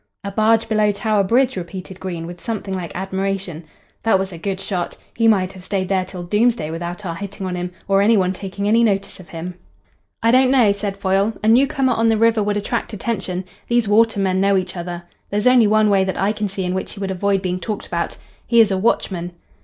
"A barge below Tower Bridge," repeated Green, with something like admiration. "That was a good shot. He might have stayed there till doomsday without our hitting on him, or any one taking any notice of him." "I don't know," said Foyle. "A newcomer on the river would attract attention. These water men know each other. There's only one way that I can see in which he would avoid being talked about. He is a watchman."